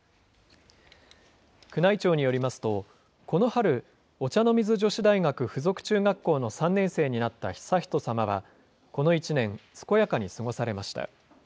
宮内庁によりますと、この春、お茶の水女子大学附属中学校の３年生になった悠仁さまはこの１年、健やかに過ごされました。